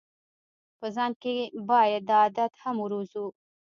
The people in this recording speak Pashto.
په ځان کې باید دا عادت هم وروزو.